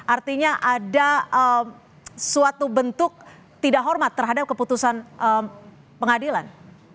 artinya ada suatu bentuk tidak hormat terhadap keputusan pengadilan